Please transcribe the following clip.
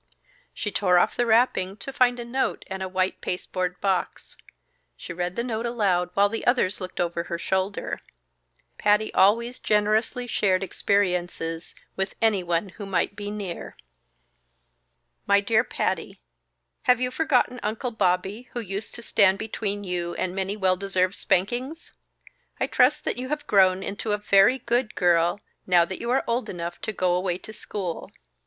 She tore off the wrapping, to find a note and a white pasteboard box. She read the note aloud while the others looked over her shoulder. Patty always generously shared experiences with anyone who might be near. "_My Dear Patty, _ "Have you forgotten 'Uncle Bobby' who used to stand between you and many well deserved spankings? I trust that you have grown into a VERY GOOD GIRL now that you are old enough to go away to school!